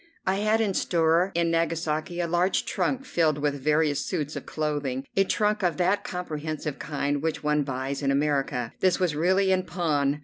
I had in store in Nagasaki a large trunk filled with various suits of clothing, a trunk of that comprehensive kind which one buys in America. This was really in pawn.